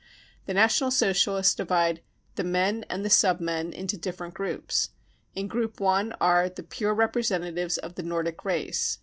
The National Socialists divide the 44 men 55 and the 46 sub men 9 5 into different groups. In Group I are the 44 pure representatives of the Nordic race."